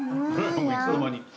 いつの間に。